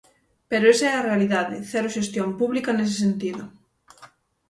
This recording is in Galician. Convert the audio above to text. Pero esa é a realidade: cero xestión pública nese sentido.